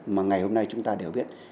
mà ngày hôm nay chúng ta đều biết